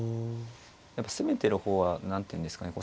やっぱ攻めてる方は何ていうんですかね